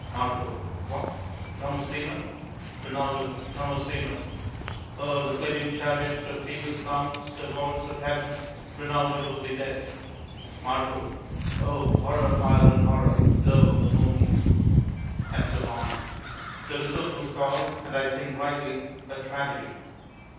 Mar. What, Tomasino? Rin. Tomasino. Ere The flaming chariot of Phoebus mounts The vaults of Heaven, Rinaldo will be dead. Mar. Oh, horror piled on horror! Lo, the moon And so on. The result was called and I think rightly "a tragedy."